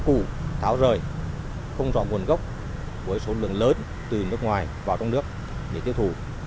củ táo rời không rõ nguồn gốc với số lượng lớn từ nước ngoài vào trong nước để tiêu thụ